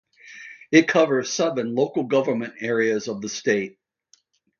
It covers seven local governments areas of the state.